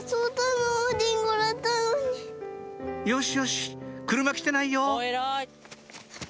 よしよし車来てないよ！